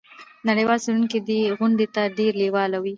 نړیوال څیړونکي دې غونډې ته ډیر لیواله وي.